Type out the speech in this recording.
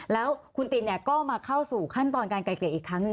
แล้วคุณตินก็มาเข้าสู่ขั้นตอนการไกลเกลี่ยอีกครั้งหนึ่ง